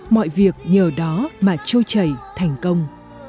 mọi việc nhờ đó mà trôi chảy thành công